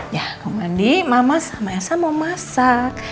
ya mau mandi mama sama esa mau masak